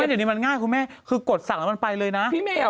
เดี๋ยวนี้มันง่ายคุณแม่คือกดสั่งแล้วมันไปเลยนะพี่แมว